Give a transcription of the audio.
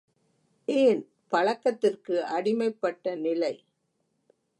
ஏன், பழக்கத்திற்கு அடிமைப்பட்ட நிலை.